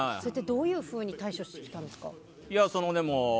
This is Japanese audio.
どういうふうに対処してきたんですか？